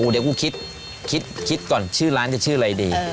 เดี๋ยวกูคิดคิดก่อนชื่อร้านจะชื่ออะไรดี